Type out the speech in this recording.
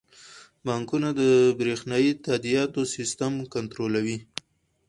بانکونه د بریښنايي تادیاتو سیستم کنټرولوي.